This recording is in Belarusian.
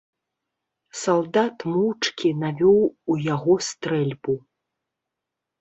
Салдат моўчкі навёў у яго стрэльбу.